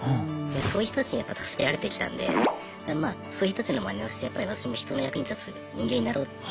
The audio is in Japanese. そういう人たちにやっぱ助けられてきたんでまあそういう人たちのまねをして私も人の役に立つ人間になろうって。